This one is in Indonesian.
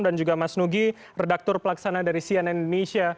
dan juga mas nugi redaktur pelaksana dari cnn indonesia